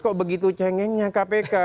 kok begitu cengennya kpk